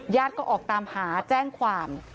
ก็ออกตามหาแจ้งความ